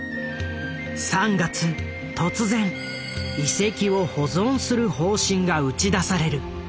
３月突然遺跡を保存する方針が打ち出される。